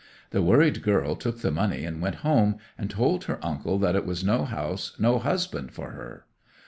'The worried girl took the money and went home, and told her uncle that it was no house no husband for her.